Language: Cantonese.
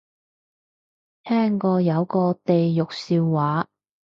聽過有個地獄笑話